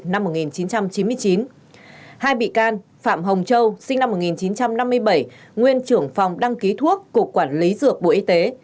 năm một nghìn chín trăm chín mươi chín hai bị can phạm hồng châu sinh năm một nghìn chín trăm năm mươi bảy nguyên trưởng phòng đăng ký thuốc cục quản lý dược bộ y tế